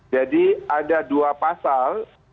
jadi ada dua pasal